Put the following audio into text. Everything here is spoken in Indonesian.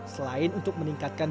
selain untuk meningkatkan